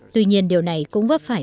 tuy nhiên điều này cũng vấp phải